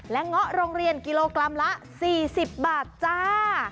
เงาะโรงเรียนกิโลกรัมละ๔๐บาทจ้า